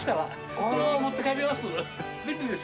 このまま持って帰ります。